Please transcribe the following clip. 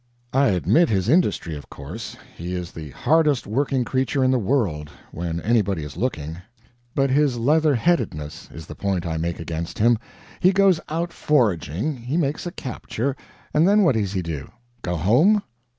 I admit his industry, of course; he is the hardest working creature in the world when anybody is looking but his leather headedness is the point I make against him. He goes out foraging, he makes a capture, and then what does he do? Go home?